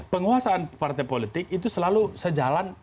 penguasaan partai politik itu selalu sejalan